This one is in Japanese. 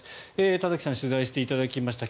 田崎さん取材していただきました。